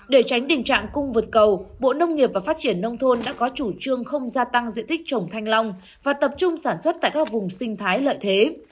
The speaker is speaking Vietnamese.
để tránh tình trạng cung vượt cầu bộ nông nghiệp và phát triển nông thôn đã có chủ trương không gia tăng diện tích trồng thanh long và tập trung sản xuất tại các vùng sinh thái lợi thế